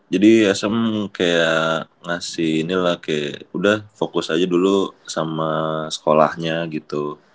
jadi sm kayak ngasih ini lah kayak udah fokus aja dulu sama sekolahnya gitu